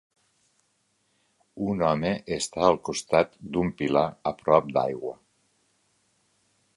Un home està al costat d'un pilar a prop d'aigua.